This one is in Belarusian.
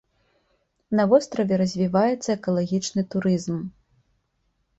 На востраве развіваецца экалагічны турызм.